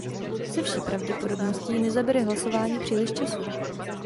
Se vší pravděpodobností nezabere hlasování příliš času.